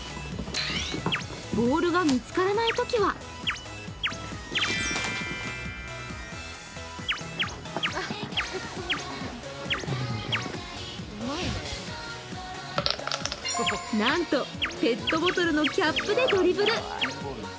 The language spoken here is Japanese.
ボールが見つからないときはなんとペットボトルのキャップでドリブル。